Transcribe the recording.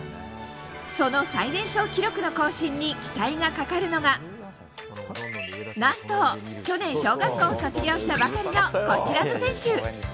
その最年少記録の更新に期待がかかるのが何と去年、小学校を卒業したばかりのこちらの選手。